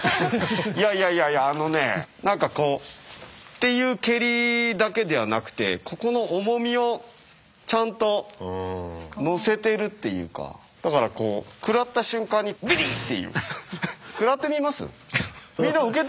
いやいやいやあのね何かこうっていう蹴りだけではなくてここの重みをちゃんと乗せてるっていうかだからくらってみます？